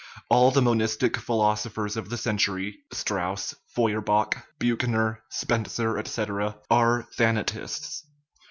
All the monistic philosophers of the century (Strauss, Feuerbach, Buch ner, Spencer, etc.) are thanatists.